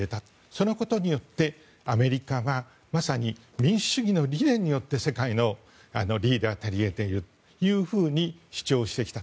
そのことによってアメリカはまさに民主主義の理念によって世界のリーダーたり得ていると主張してきた。